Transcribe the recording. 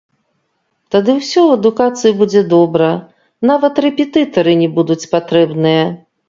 Тады усё ў адукацыі будзе добра, нават рэпетытары не будуць патрэбныя.